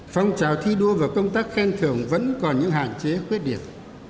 phong trào thi đua và công tác khen thưởng vẫn còn những hạn chế khuyết điểm